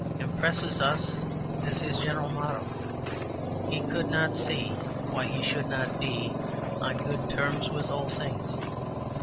impresses us as his general motto. He could not see why he should not be on good terms with all things.